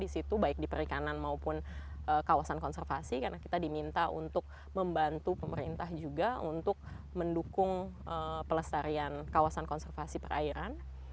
di situ baik di perikanan maupun kawasan konservasi karena kita diminta untuk membantu pemerintah juga untuk mendukung pelestarian kawasan konservasi perairan